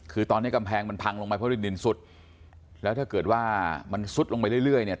คือตอนนี้กำแพงมันพังลงไปเพราะดินสุดแล้วถ้าเกิดว่ามันซุดลงไปเรื่อยเรื่อยเนี่ย